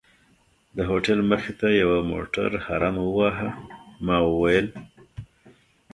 د هوټل مخې ته یوه موټر هارن وواهه، ما وویل.